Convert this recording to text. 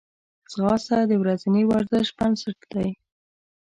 ځغاسته د ورځني ورزش بنسټ دی